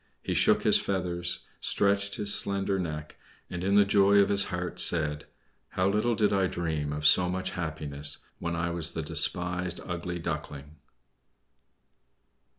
He shook his feathers, stretched his slender neck, and in the joy of his heart said: "How little did I dream of so much happiness when I was the despised Ugly Duckling!"